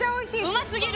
うますぎる？